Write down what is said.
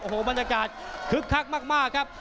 โอ้โหบรรยากาศคึกคักมากครับ